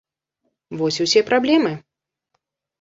Вось і ўсе праблемы.